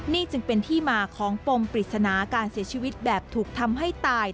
นี่จึงเป็นที่มาของปมปริศนาการเสียชีวิตแบบถูกทำให้ตาย